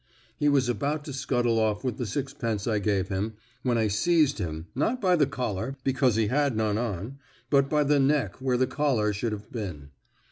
He was about to scuttle off with the sixpence I gave him, when I seized him, not by the collar, because he had none on, but by the neck where the collar should have been.